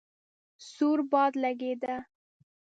سوړ باد لګېده.